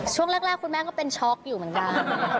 ช่วงแรกคุณแม่ก็เป็นช็อกอยู่เหมือนกัน